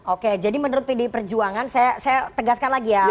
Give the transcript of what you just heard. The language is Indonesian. oke jadi menurut pdi perjuangan saya tegaskan lagi ya